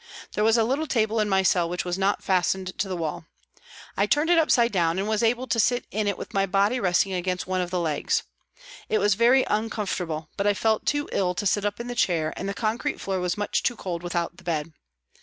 There was a little table in my cell which was not fastened to the wall. I turned it upside down and was able to sit in it with my body resting against one of the legs. It was very uncomfortable, but I felt too ill to sit up in the chair, and the concrete floor was much too cold without the bed.